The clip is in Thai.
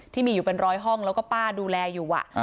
ที่มีอยู่เป็นร้อยห้องแล้วก็ป้าดูแลอยู่